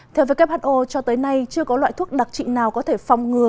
theo who cho tới nay chưa có loại thuốc đặc trị nào có thể phòng ngừa